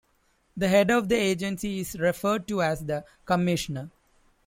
The head of the agency is referred to as the Commissioner.